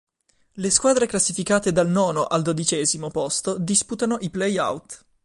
Le squadre classificate dal nono al dodicesimo posto disputano i play-out.